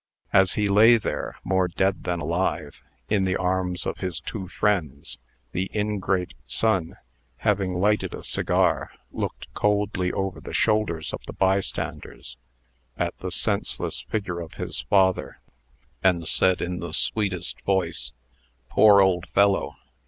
As he lay there, more dead than alive, in the arms of his two friends, the ingrate son, having lighted a cigar, looked coldly over the shoulders of the bystanders at the senseless figure of his father, and said, in the sweetest voice: "Poor old fellow!